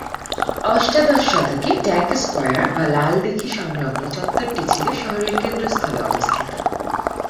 অষ্টাদশ শতকে Tank Square বা লালদিঘি-সংলগ্ন চত্বরটি ছিল ‘শহরের কেন্দ্রস্থলে অবস্থিত’।